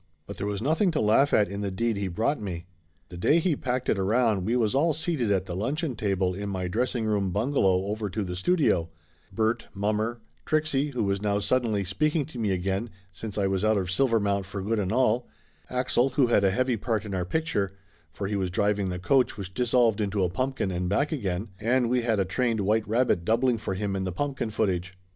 But there was nothing to laugh at in the deed he brought me. Laughter Limited 225 The day he packed it around we was all seated at the luncheon table in my dressingroom bungalow over to the studio Bert, mommer, Trixie, who was now sud denly speaking to me again since I was out of Silver mount for good and all, Axel, who had a heavy part in our picture, for he was driving the coach which dis solved into a pumpkin and back again, and we had a trained white rat doubling for him in the pumpkin footage.